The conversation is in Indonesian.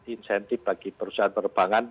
insentif bagi perusahaan perubangan